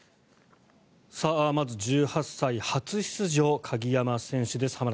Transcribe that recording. さあ、まず１８歳初出場、鍵山選手です。